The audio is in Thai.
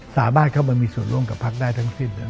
สามารถเข้ามามีส่วนร่วมกับพักได้ทั้งสิ้น